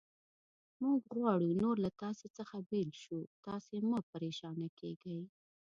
موږ غواړو نور له تاسې څخه بېل شو، تاسې مه پرېشانه کېږئ.